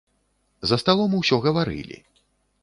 За сталом усё гаварылі.